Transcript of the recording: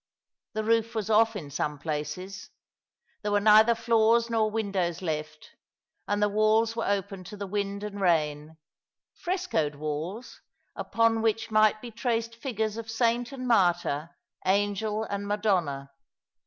The roof was off in some places; there were neither floors nor windows left; and the walls were open to the wind and rain — frescoed walls, upon which might be traced figures of saint and martyr, angel and madonna.